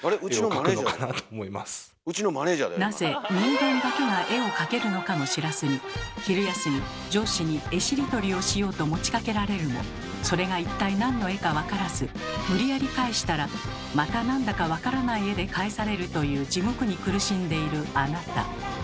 なぜ人間だけが絵を描けるのかも知らずに昼休み上司に絵しりとりをしようと持ちかけられるもそれが一体何の絵かわからず無理やり返したらまた何だかわからない絵で返されるという地獄に苦しんでいるあなた。